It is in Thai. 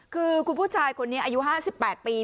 คือคุณผู้ชายคนนี้อายุ๕๘ปี